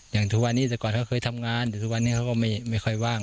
อย่างทุกวันนี้แต่ก่อนเขาเคยทำงานแต่ทุกวันนี้เขาก็ไม่ค่อยว่าง